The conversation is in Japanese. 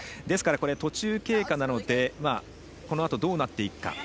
ですから、途中経過なのでこのあとどうなっていくか。